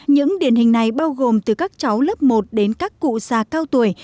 những điển hình này bao gồm từ các cháu lớp một đến các cụ già cao tuổi